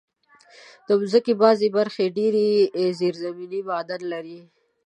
د مځکې بعضي برخې ډېر زېرزمینې معادن لري.